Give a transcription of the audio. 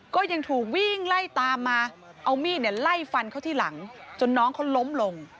ก็ยังถูกวิ่งไล่ตามมาเอามีดไล่ฟันเขาที่หลังจนน้องเขาล้มลง